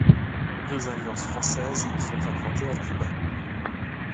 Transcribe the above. Deux Alliances françaises sont implantées à Cuba.